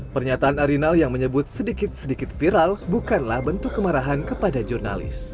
pernyataan arinal yang menyebut sedikit sedikit viral bukanlah bentuk kemarahan kepada jurnalis